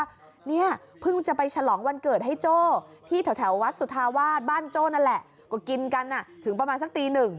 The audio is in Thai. ว่าเนี่ยเพิ่งจะไปฉลองวันเกิดให้โจ้ที่แถวแถววัดสตบ้านโจ้นั่นแหละก็กินกันถึงมาสักตี๑